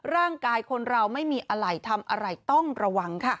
ร่างกายคนเราไม่มีอะไรทำอะไรต้องระวังค่ะ